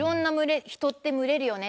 人って群れるよね